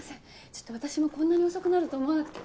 ちょっと私もこんなに遅くなると思わなくて。